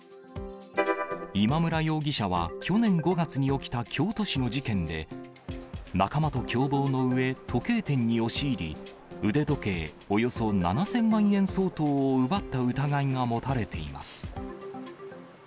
今村容疑者は去年５月に起きた京都市の事件で、仲間と共謀のうえ、時計店に押し入り、腕時計およそ７０００万円相当を奪った疑いが持たれています。